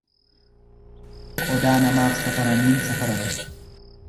Qodaa namaaf safaraniin safaratu.